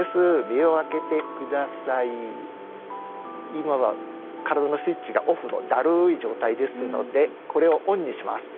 今は体のスイッチがオフのだるい状態ですのでこれをオンにします。